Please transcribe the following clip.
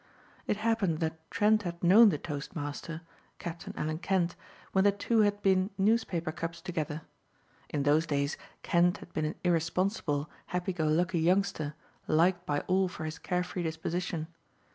It happened that Trent had known the toastmaster, Captain Alan Kent, when the two had been newspaper cubs together. In those days Kent had been an irresponsible, happy go lucky youngster, liked by all for his carefree disposition.